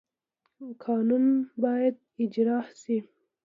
کانونه باید استخراج شي